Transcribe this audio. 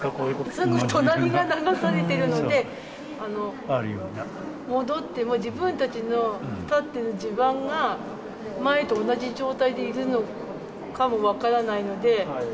すぐ隣が流されてるので、戻っても、自分たちの建ってる地盤が、前と同じ状態でいるのかも分からないので。